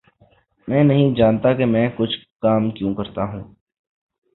میں نہیں جانتا کہ میں کچھ کام کیوں کرتا ہوں